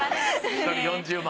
１人４０万。